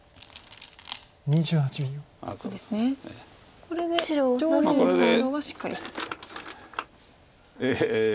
これで上辺の白はしっかりしたと。